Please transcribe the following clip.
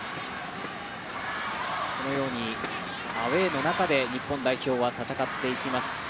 このようにアウェーの中で日本代表は戦っていきます。